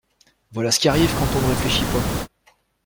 Voilà ce qui arrive quand on ne réfléchit pas!